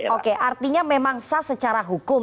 oke artinya memang sah secara hukum